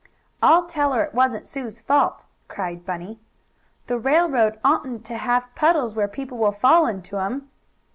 "I'll tell her it wasn't Sue's fault," cried Bunny. "The railroad oughtn't to have puddles where people will fall into 'em!"